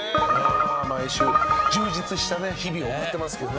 毎週、充実した日々を送っていますけどね。